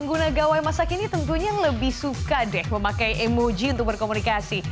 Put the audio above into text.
pengguna gawai masa kini tentunya lebih suka deh memakai emoji untuk berkomunikasi